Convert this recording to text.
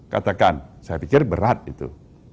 katakan saya pikir berat itu